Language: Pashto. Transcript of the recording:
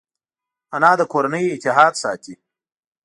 انا د کورنۍ اتحاد ساتي